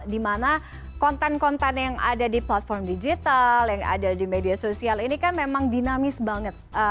dimana konten konten yang ada di platform digital yang ada di media sosial ini kan memang dinamis banget